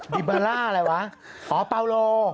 ิบาลล่าอะไรวะอ๋อเปาโล